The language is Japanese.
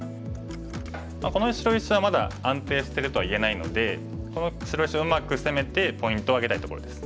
この白石はまだ安定してるとは言えないのでこの白石をうまく攻めてポイントを挙げたいところです。